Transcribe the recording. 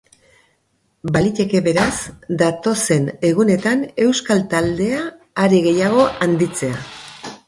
Baliteke, beraz, datozen egunetan euskal taldea are gehiago handitzea.